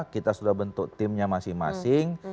kita sudah bentuk timnya masing masing